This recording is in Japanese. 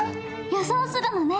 予想するのね。